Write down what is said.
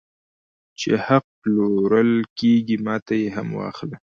چې حق پلورل کېږي ماته یې هم واخله